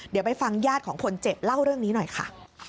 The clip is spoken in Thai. เดี๋ยวไปฟังญาติของคนเจ็บเล่าเรื่องนี้หน่อยค่ะ